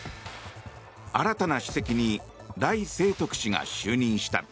新たな主席に頼清徳氏が就任した。